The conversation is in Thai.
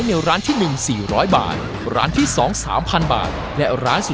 และปริมาณเท่าไรในแต่ละร้าน